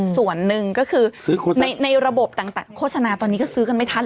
ส่วนหนึ่งก็คือในระบบต่างโฆษณาตอนนี้ก็ซื้อกันไม่ทัน